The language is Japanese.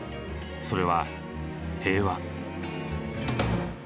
それは平和。